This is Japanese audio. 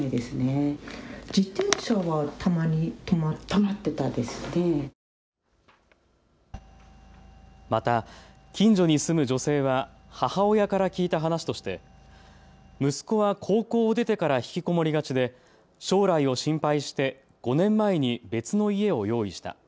また近所に住む女性は母親から聞いた話として息子は高校を出てから引きこもりがちで将来を心配して５年前に別の家を用意した。